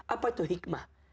apa itu hikmah